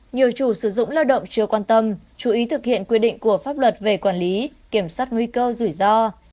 nhiều chủ sử dụng lao động chưa quan tâm chú ý thực hiện quy định của pháp luật về quản lý kiểm soát nguy cơ rủi ro